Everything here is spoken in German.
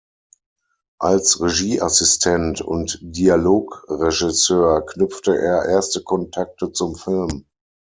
Als Regieassistent und Dialogregisseur knüpfte er erste Kontakte zum Film.